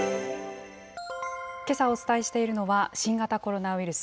けさお伝えしているのは、新型コロナウイルス。